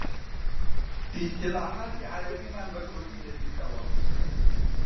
ئیستلاحاتی عارەبیمان بە کوردی دەدیتەوە